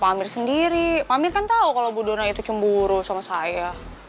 pak amir sendiri pak amir kan tau kalau budona itu cemburu sama saya